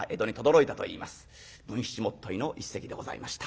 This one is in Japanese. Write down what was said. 「文七元結」の一席でございました。